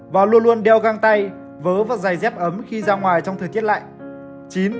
và luôn luôn đeo găng tay vớ vặt dày dép ấm khi ra ngoài trong thời tiết lạnh